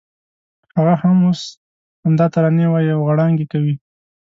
هغه هم اوس همدا ترانې وایي او غړانګې کوي.